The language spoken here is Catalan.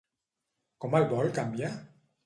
Com el vol canviar?